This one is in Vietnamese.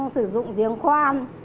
sử dụng riêng khoan